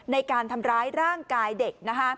ในการทำร้ายร่างกายเด็ก